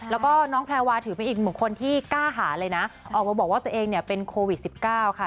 แล้วก็น้องแพรวาถือเป็นอีกหนึ่งคนที่กล้าหาเลยนะออกมาบอกว่าตัวเองเนี่ยเป็นโควิด๑๙ค่ะ